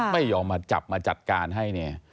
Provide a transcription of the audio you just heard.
ไม่ยอมมาจับมาจัดการให้เนี่ย